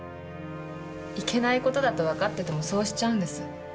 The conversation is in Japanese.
いけない事だとわかっててもそうしちゃうんです。